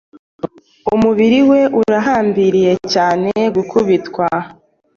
Umubiri we urahambiriye cyanegukubitwa